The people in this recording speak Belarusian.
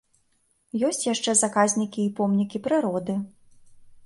Ёсць яшчэ заказнікі і помнікі прыроды.